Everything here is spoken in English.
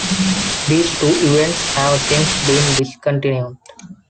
These two events have since been discontinued.